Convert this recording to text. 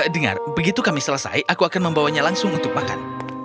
dengar begitu kami selesai aku akan membawanya langsung untuk makan